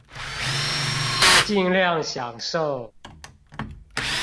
儘量享受